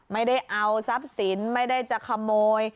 ไม่ได้เอาทรัพย์สินไม่ได้จะขโมย